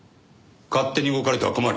勝手に動かれては困る。